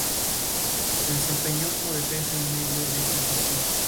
El nombre supuestamente se usó como un etnónimo en esas inscripciones.